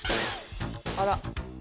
あら。